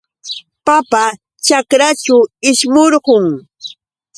Papa ćhakraćhu ishmurqun.